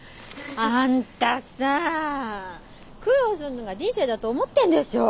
あんたさ苦労すんのが人生だと思ってんでしょ。